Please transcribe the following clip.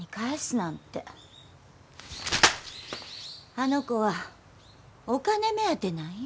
あの子はお金目当てなんよ。